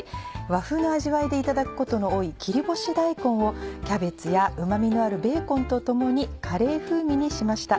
和風の味わいでいただくことの多い切り干し大根をキャベツやうま味のあるベーコンと共にカレー風味にしました。